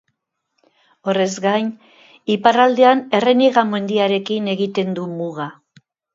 Horrez gain, iparraldean Erreniega mendiarekin egiten du muga.